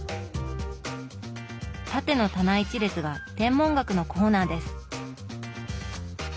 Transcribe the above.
縦の棚一列が天文学のコーナーです。